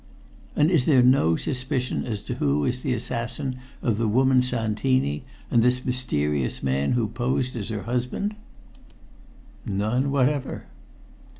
"And is there no suspicion as to who is the assassin of the woman Santini and this mysterious man who posed as her husband?" "None whatever."